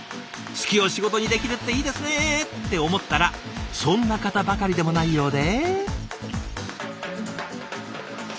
好きを仕事にできるっていいですね！って思ったらそんな方ばかりでもないようで。